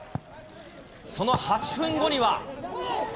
その８分後には。